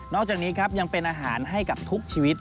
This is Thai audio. อกจากนี้ครับยังเป็นอาหารให้กับทุกชีวิต